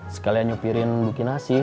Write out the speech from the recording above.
sekalian nyopirin bu kinasi